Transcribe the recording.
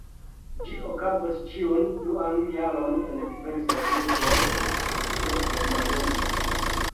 Ĝi okazas ĉiun duan jaron en diversaj urboj de Germanujo.